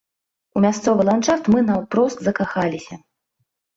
У мясцовы ландшафт мы наўпрост закахаліся.